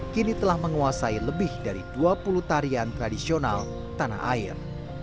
kini telah menguasai lebih dari dua puluh tarian tradisional tanah air